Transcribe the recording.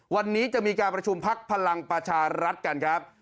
วันนี้จะมีการประชุมพักพลังประชารัฐกันครับ